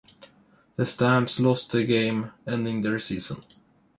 The Stamps lost the game, ending their season.